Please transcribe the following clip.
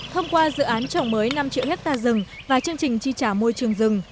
thông qua dự án trồng mới năm triệu hectare rừng và chương trình chi trả môi trường rừng